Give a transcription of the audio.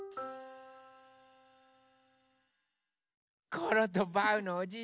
コロとバウのおじい